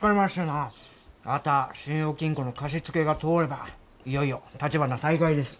あたあ信用金庫の貸し付けが通ればいよいよたちばな再開です。